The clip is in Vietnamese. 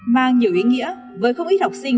mang nhiều ý nghĩa với không ít học sinh